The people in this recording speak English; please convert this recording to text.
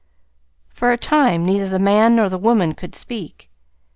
For a time neither the man nor the woman could speak.